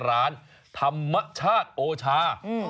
ร้านธรรมชาติโอชา